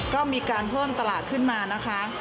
ก็มีการเพิ่มตลาดขึ้นมานะคะ